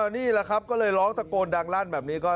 นี่แหละครับก็เลยร้องตะโกนดังลั่นแบบนี้ก็